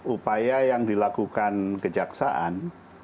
upaya yang dilakukan adalah untuk menjaga kemampuan korupsi